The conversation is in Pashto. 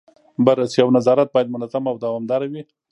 بررسي او نظارت باید منظم او دوامداره وي.